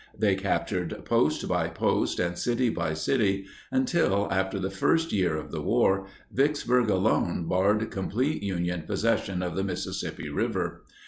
They captured post by post and city by city until, after the first year of the war, Vicksburg alone barred complete Union possession of the Mississippi River.